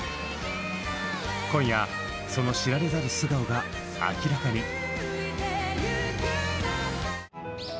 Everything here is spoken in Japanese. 今夜その知られざる素顔が明らかに！